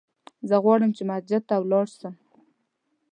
زه غواړم چې مسجد ته ولاړ سم!